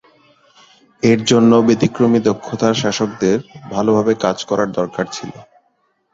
এর জন্য ব্যতিক্রমী দক্ষতার শাসকদের ভালভাবে কাজ করার দরকার ছিল।